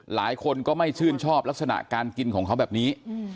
หลายคนก็ไม่ชื่นชอบลักษณะการกินของเขาแบบนี้